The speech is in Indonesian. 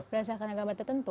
berdasarkan agama tertentu